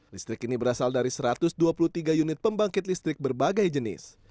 listrik ini berasal dari satu ratus dua puluh tiga unit pembangkit listrik berbagai jenis